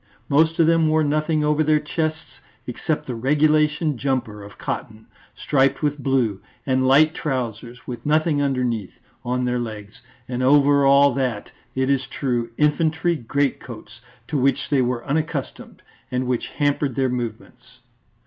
Most of them wore nothing over their chests except the regulation jumper of cotton, striped with blue, and light trousers, with nothing underneath, on their legs, and over all that, it is true, infantry great coats to which they were unaccustomed and which hampered their movements.